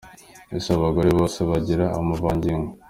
Ese abagore bose bagira amavangingo ?.